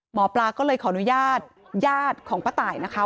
หมอปลาก็เลยขออนุญาตญาติของป้าตายนะคะ